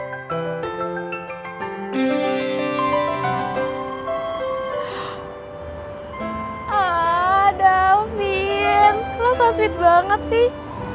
aaaaah dalvin lo so sweet banget sih